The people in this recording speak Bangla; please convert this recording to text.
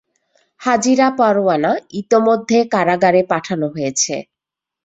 হাজিরা পরোয়ানা ইতিমধ্যে কারাগারে পাঠানো হয়েছে।